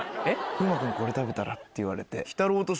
「風磨君これ食べたら？」って言われて。